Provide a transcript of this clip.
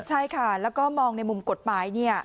ใช่ค่ะแล้วก็มองในมุมกฎหมาย